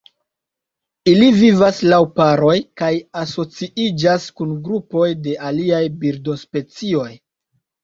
Ili vivas laŭ paroj kaj asociiĝas kun grupoj de aliaj birdospecioj.